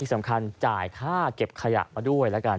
สำคัญจ่ายค่าเก็บขยะมาด้วยแล้วกัน